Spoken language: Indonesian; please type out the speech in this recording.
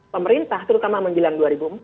pemerintah terutama menjelang dua ribu empat